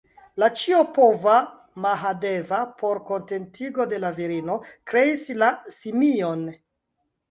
La ĉiopova Mahadeva por kontentigo de la virino kreis la simion.